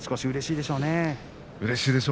うれしいでしょうね。